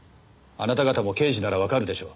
あなた方も刑事ならわかるでしょう？